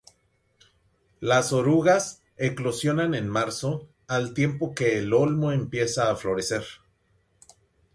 Las orugas eclosionan en marzo al tiempo que el olmo empieza a florecer.